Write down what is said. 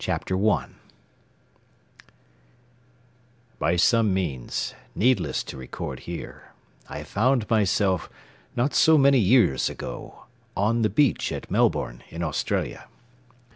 TRUNNELL I By some means, needless to record here, I found myself, not so many years ago, "on the beach" at Melbourne, in Australia.